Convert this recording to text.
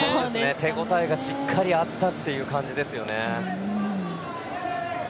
手応えがしっかりあったという感じですね。